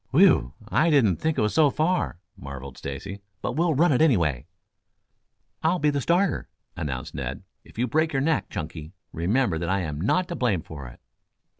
"Whew! I didn't think it was so far," marveled Stacy. "But we'll run it, anyway." "I'll be the starter," announced Ned. "If you break your neck, Chunky, remember that I am not to blame for it."